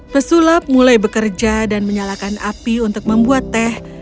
pesulap mulai bekerja dan menyalakan api untuk membuat teh